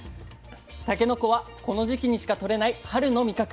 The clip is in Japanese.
たけのこはこの時期にしかとれない春の味覚。